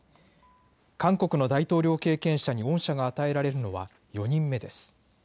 韓国の大統領経験者に恩赦が与えられるのは４人目です。